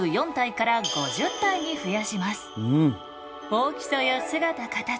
大きさや姿形